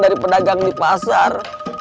dari pedagang di pasar